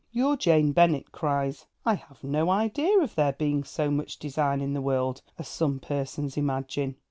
Your Jane Bennet cries: 'I have no idea of there being so much Design in the world as some persons imagine.'